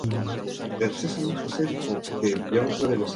Una jurisprudencia es una teoría de la relación entre la vida y la ley.